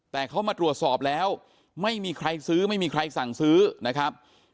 แต่เขามาตรวจสอบแล้วไม่มีใครซื้อไม่มีใครสั่งซื้อนะครับ